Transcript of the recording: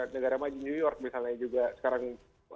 negara maju new york misalnya juga sekarang